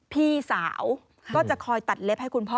พี่สาวก็จะคอยตัดเล็บให้คุณพ่อ